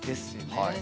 はい。